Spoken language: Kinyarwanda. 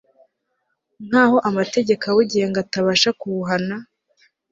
nk'aho amategeko awugenga atabasha kuwuhana